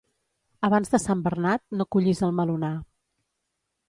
Abans de Sant Bernat no cullis el melonar.